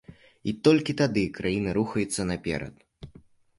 І толькі тады краіна рухаецца наперад.